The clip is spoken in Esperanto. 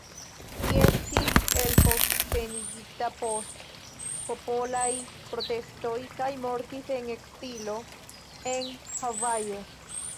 Li estis elpostenigita post popolaj protestoj kaj mortis en ekzilo en Havajo.